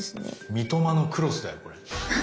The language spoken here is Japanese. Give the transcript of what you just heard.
三苫のクロスだよこれ。